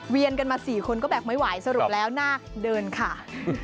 เวียนกันมา๔คนก็แบกไม่ไหวสรุปแล้วนาคเดินขา